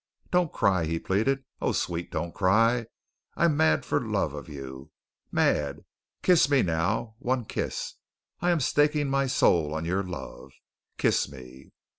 "Don't cry," he pleaded. "Oh, sweet, don't cry. I am mad for love of you, mad. Kiss me now, one kiss. I am staking my soul on your love. Kiss me!"